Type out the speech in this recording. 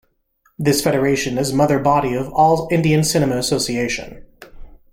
This federation is mother body of all Indian Cinema association.